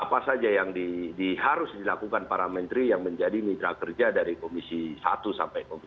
apa saja yang diharus dilakukan para menteri yang menjaga kepentingan pada pemerintah dan juga pendukung pemerintah yang mendukung pak jokowi